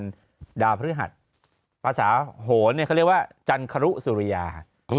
พระจันทร์ดาวพฤหัสภาสาโหย์เนี้ยเขาเรียกว่าจันครุสุริยาอืม